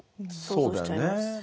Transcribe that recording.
そうだよね。